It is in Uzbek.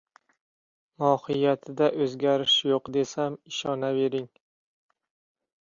Mohiyatida oʻzgarish yoʻq, desam ishonavering.